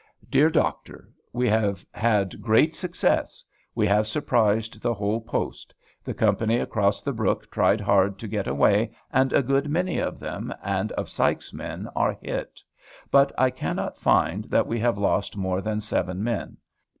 DEAR DOCTOR, We have had great success. We have surprised the whole post. The company across the brook tried hard to get away; and a good many of them, and of Sykes's men, are hit; but I cannot find that we have lost more than seven men.